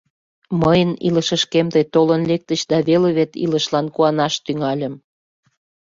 Мыйын илышышкем тый толын лектыч да веле вет илышлан куанаш тӱҥальым.